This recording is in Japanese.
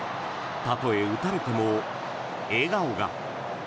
たとえ打たれても、笑顔が。